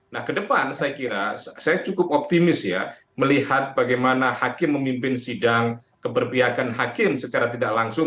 nah ke depan saya kira saya cukup optimis ya melihat bagaimana hakim memimpin sidang keberpihakan hakim secara tidak langsung